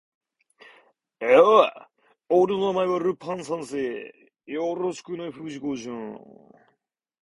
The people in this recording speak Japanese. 三日間は、パンと水しか与えません。そうすると、煎餅が消化されるにつれて、それと一しょに問題は頭の方へ上ってゆくというのです。